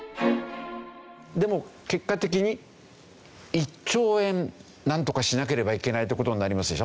でも結果的に１兆円なんとかしなければいけないって事になりますでしょ。